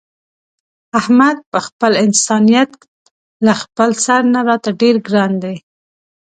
احمد په خپل انسانیت له خپل سر نه راته ډېر ګران دی.